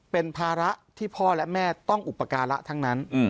เป็นภาระที่พ่อและแม่ต้องอุปการะทั้งนั้น